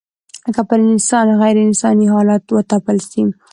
که پر انسان غېر انساني حالات وتپل سي